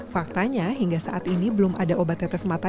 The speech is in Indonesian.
faktanya hingga saat ini belum ada obat tetes mata